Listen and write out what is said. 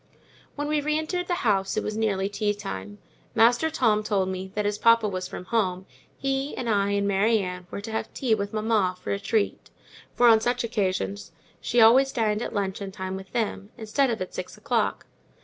When we re entered the house it was nearly tea time. Master Tom told me that, as papa was from home, he and I and Mary Ann were to have tea with mamma, for a treat; for, on such occasions, she always dined at luncheon time with them, instead of at six o'clock.